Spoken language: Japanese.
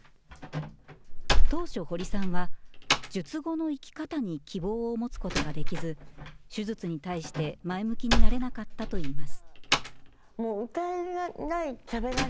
当初、堀さんは術後の生き方に希望を持つことができず、手術に対して前向きになれなかったといいます。